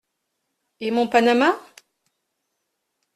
Et mon panama ?…